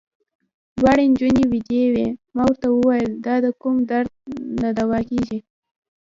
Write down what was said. دواړې نجونې وېدې وې، ما ورته وویل: دا د کوم درد نه دوا کېږي.